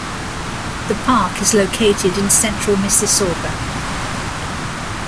The park is located in central Mississauga.